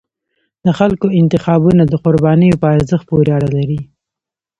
د خلکو انتخابونه د قربانیو په ارزښت پورې اړه لري